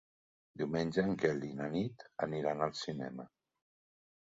Diumenge en Quel i na Nit aniran al cinema.